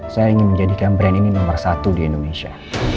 saya ingin menjadikan brand ini nomor satu di indonesia